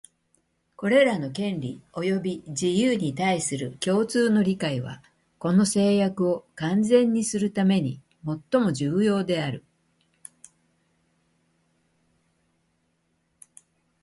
これらの権利及び自由に対する共通の理解は、この誓約を完全にするためにもっとも重要である